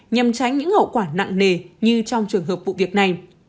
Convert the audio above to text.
nhằm tránh những hậu quả nặng nề như trong trường hợp vụ việc này